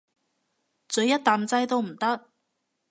咀一啖仔都唔得？